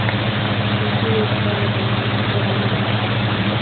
میں پھر ایک بار روانہ ہوں